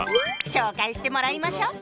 紹介してもらいましょう！